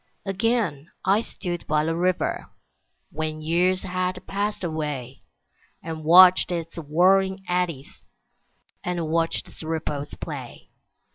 Again I stood by the river, When years had passed away, And watched its whirling eddies, And watched its ripples play.